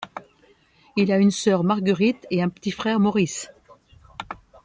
Il a une sœur, Marguerite et un petit frère, Maurice.